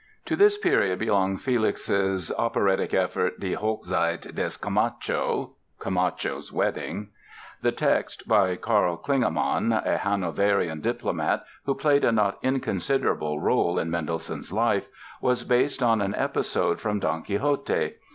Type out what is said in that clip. To this period belongs Felix's operatic effort "Die Hochzeit des Camacho" ("Camacho's Wedding"). The text, by Karl Klingemann, a Hanoverian diplomat who played a not inconsiderable role in Mendelssohn's life, was based on an episode from "Don Quixote".